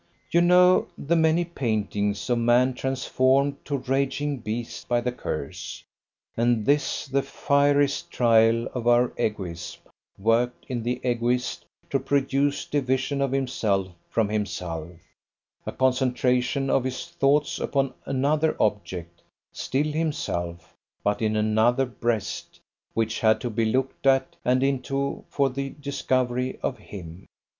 You know the many paintings of man transformed to rageing beast by the curse: and this, the fieriest trial of our egoism, worked in the Egoist to produce division of himself from himself, a concentration of his thoughts upon another object, still himself, but in another breast, which had to be looked at and into for the discovery of him.